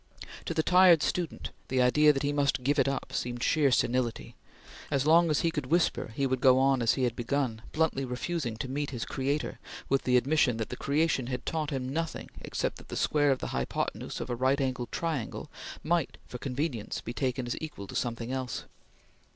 To the tired student, the idea that he must give it up seemed sheer senility. As long as he could whisper, he would go on as he had begun, bluntly refusing to meet his creator with the admission that the creation had taught him nothing except that the square of the hypothenuse of a right angled triangle might for convenience be taken as equal to something else.